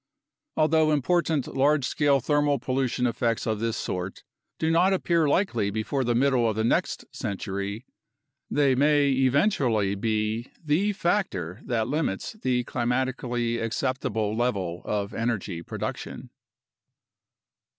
Although important large scale thermal pollution effects of this sort do not appear likely before the middle of the next century, they may eventually be the factor that limits the climatically acceptable level of energy production.